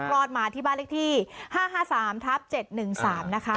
รอดมาที่บ้านเลขที่๕๕๓ทับ๗๑๓นะคะ